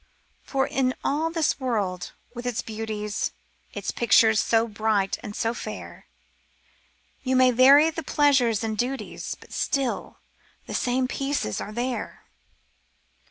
For in all this world, with its beauties. Its pictures so bright and so fair, You may vary the pleasures and duties But still, the same pieces are there.